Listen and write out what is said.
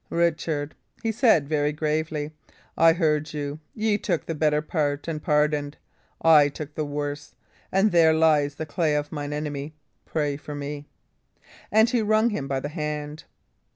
"Richard," he said, very gravely, "I heard you. Ye took the better part and pardoned; I took the worse, and there lies the clay of mine enemy. Pray for me." And he wrung him by the hand.